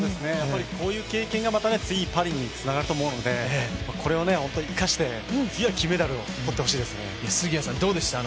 こういう経験が次パリにつながると思うので、これを本当に生かして金メダルをとってほしいですね。